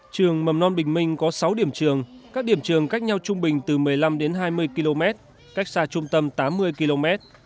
trường mầm non bình minh có sáu điểm trường các điểm trường cách nhau trung bình từ một mươi năm đến hai mươi km cách xa trung tâm tám mươi km